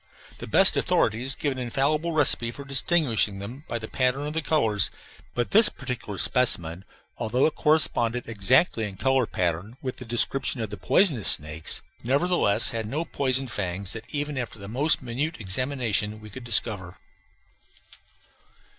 The best authorities give an infallible recipe for distinguishing them by the pattern of the colors, but this particular specimen, although it corresponded exactly in color pattern with the description of the poisonous snakes, nevertheless had no poison fangs that even after the most minute examination we could discover.